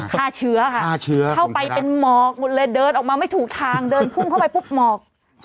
ฆ่าเชื้อค่ะฆ่าเชื้อเข้าไปเป็นหมอกหมดเลยเดินออกมาไม่ถูกทางเดินพุ่งเข้าไปปุ๊บหมอก